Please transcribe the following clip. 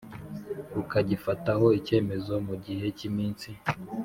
rukagifataho icyemezo mu gihe cy iminsi